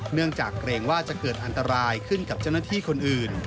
เนื่องจากเกรงว่าจะเกิดอันตรายขึ้นกับเจ้าหน้าที่คนอื่น